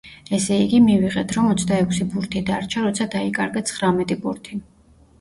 ესე იგი, მივიღეთ რომ ოცდაექვსი ბურთი დარჩა როცა დაიკარგა ცხრამეტი ბურთი.